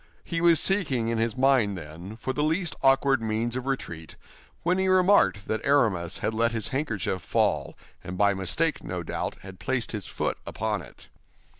He was seeking in his mind, then, for the least awkward means of retreat, when he remarked that Aramis had let his handkerchief fall, and by mistake, no doubt, had placed his foot upon it.